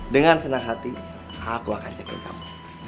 dengan senang hati aku akan jagain kamu